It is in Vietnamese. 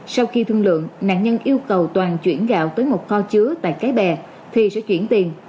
sau khi thương lượng nạn nhân yêu cầu toàn chuyển gạo tới một kho chứa tại cái bè thì sẽ chuyển tiền